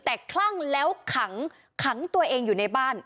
แต่คลั่งแล้วขังขังตัวเองอยู่ในบ้าน